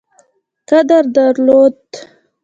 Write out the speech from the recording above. قدر درلود.